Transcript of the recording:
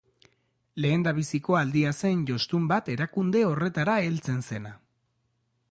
Lehenbiziko aldia zen jostun bat erakunde horretara heltzen zena.